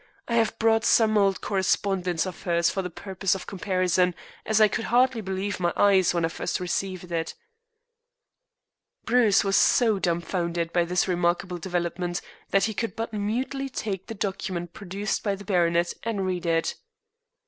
I have brought some old correspondence of hers for the purpose of comparison, as I could hardly believe my eyes when I first received it." Bruce was so dumfounded by this remarkable development that he could but mutely take the document produced by the baronet and read it.